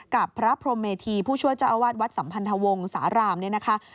กับพระพรมเมธีผู้ช่วยเจ้าอาวาสวัดสัมพันธวงสารามเนี่ยนะคะ